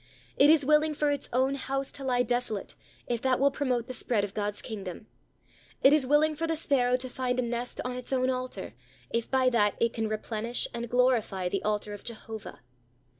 It is willing for its own house to lie desolate, if that will promote the spread of God's kingdom. It is willing for the sparrow to find a nest on its own altar, if by that it can replenish and glorify the altar of Jehovah.